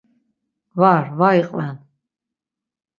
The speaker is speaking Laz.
Var, var iqven.